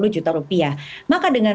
juta rupiah maka dengan